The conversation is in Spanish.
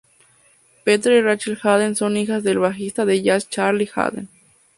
Petra y Rachel Haden son hijas del bajista de jazz Charlie Haden.